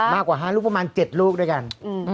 มากกว่า๕ลูกประมาณ๗ลูกด้วยกัน